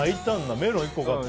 メロン１個買って。